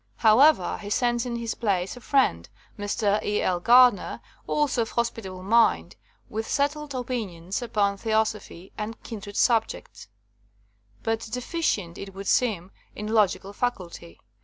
How ever, he sends in his place a friend, Mr. E. L. Gardner, also of hospitable mind, with set tled opinions upon theosophy and kindred subjects, but deficient, it would seem, in logical faculty.